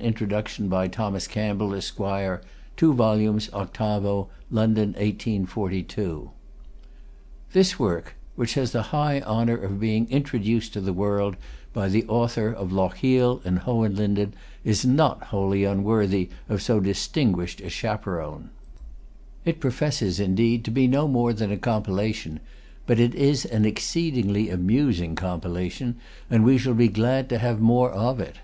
3 vols. 8vo. London: 1841. [Pg 243] FREDERIC THE GREAT The Edinburgh Review, April, 1842 This work, which has the high honor of being introduced to the world by the author of Lochiel and Hohenlinden, is not wholly unworthy of so distinguished a chaperon. It professes, indeed, to be no more than a compilation; but it is an exceedingly amusing compilation, and we shall be glad to have more of it.